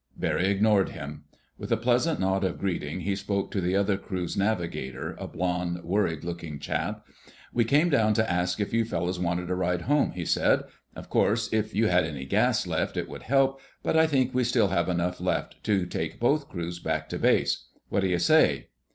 Barry ignored him. With a pleasant nod of greeting he spoke to the other crew's navigator, a blond, worried looking chap. "We came down to ask if you fellows wanted a ride home," he said. "Of course, if you had any gas left it would help, but I think we still have enough left to take both crews back to base. What do you say?"